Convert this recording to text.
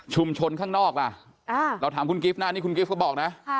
ชุมชนข้างนอกเราถามคุณกิฟต์หน้านี้คุณกิฟต์ก็บอกนะ